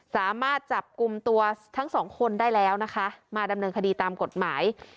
สามารถจับกลุ่มตัวทั้งสองคนได้แล้วนะคะมาดำเนินคดีตามกฎหมาย